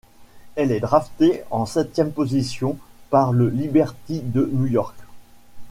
Elle est draftée en septième position par le Liberty de New York.